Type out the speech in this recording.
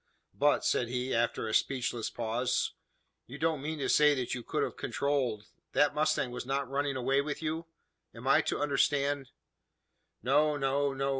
"But," said he, after a speechless pause, "you don't mean to say that you could have controlled that the mustang was not running away with you? Am I to understand " "No no no!"